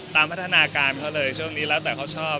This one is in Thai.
พัฒนาการเขาเลยช่วงนี้แล้วแต่เขาชอบ